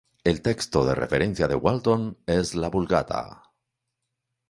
El texto de referencia de Walton es la Vulgata.